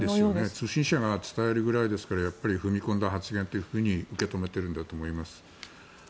通信社が伝えるくらいですからやっぱり踏み込んだ発言というふうに受け止めているんだと思います。